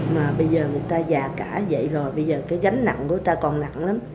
mà bây giờ người ta già cả vậy rồi bây giờ cái gánh nặng của ta còn nặng lắm